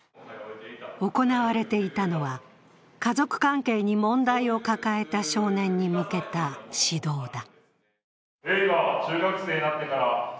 行われていたのは、家族関係に問題を抱えた少年に向けた指導だ。